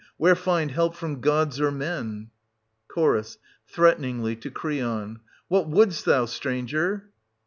— where find help from gods or men ? Ch. (threateningly y to Creon). What wouldst thou, stranger